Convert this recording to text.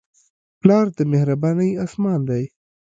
پلار د مهربانۍ اسمان دی.